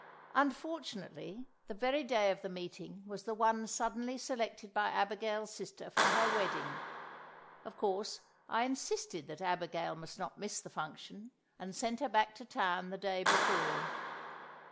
Unfortunately, the very day of the meeting was the one suddenly selected by Abigail's sister for her wedding; of course, I insisted that Abigail must not miss the function, and sent her back to town the day before.